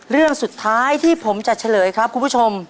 เรื่องสุดท้ายที่ผมจะเฉลยครับคุณผู้ชม